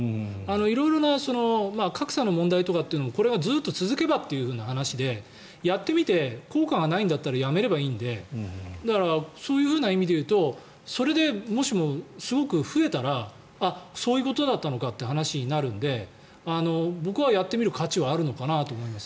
色々な格差の問題とかってこれはずっと続けばという話でやってみて効果がないんだったらやめればいいんでだから、そういう意味で言うとそれで、もしもすごく増えたらそういうことだったのかって話になるので僕はやってみる価値はあるのかなと思います。